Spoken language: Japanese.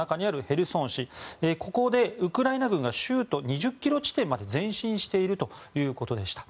ここでウクライナ軍が州都２０ｋｍ地点まで前進しているということでした。